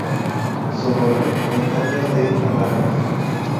Sonora: montañas de Álamos.